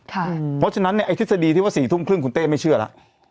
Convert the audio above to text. เพราะฉะนั้นทฤษฎีที่ว่า๔๓๐นครูเต้ไม่เชื่อละ